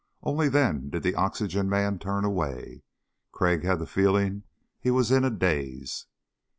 Only then did the oxygen man turn away. Crag had the feeling he was in a daze.